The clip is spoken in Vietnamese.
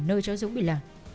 nơi chó dũng bị lạc